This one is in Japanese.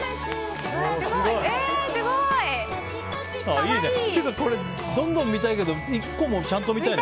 すごい！っていうかこれどんどん見たいけど１個もちゃんと見たい。